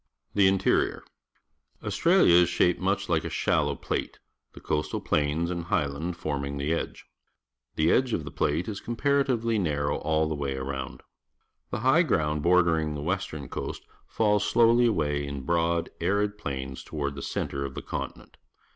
The Interior. — Aiist rnlin, is shape d much like a_shjill«w pl»t«, the coasta l plains and highland forming the edge. The edge of the plate is comparatively narrow all the way around. Thehigb—gi'ound bordering the w(>st(Mn coasrTaiis slowly away in broad, arid i)lains toward the centre of the continent.